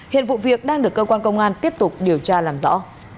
hiện vụ việc đang được cơ quan công an tiếp tục điều tra làm rõ